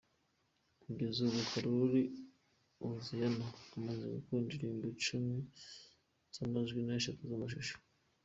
Kugeza ubu korari Hoziyana imaze gukora album icumi z’amajwi n’eshatu z’amashusho.